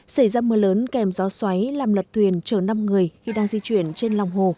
xảy ra mưa lớn kèm gió xoáy làm lật thuyền chờ năm người khi đang di chuyển trên lòng hồ